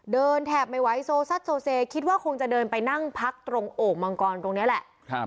แถบไม่ไหวโซซัดโซเซคิดว่าคงจะเดินไปนั่งพักตรงโอ่งมังกรตรงนี้แหละ